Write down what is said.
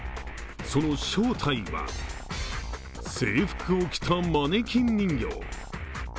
その正体は制服を着たマネキン人形。